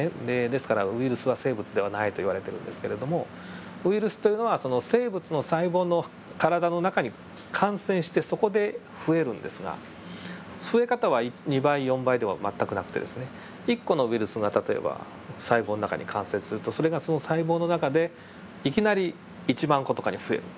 ですからウイルスは生物ではないと言われてるんですけどもウイルスというのはその生物の細胞の体の中に感染してそこで増えるんですが増え方は２倍４倍では全くなくてですね１個のウイルスが例えば細胞の中に感染するとそれがその細胞の中でいきなり１万個とかに増える。